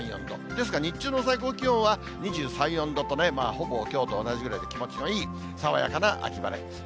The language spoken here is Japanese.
ですが日中の最高気温は、２３、４度と、ほぼきょうと同じぐらいで気持ちのいい爽やかな秋晴れ。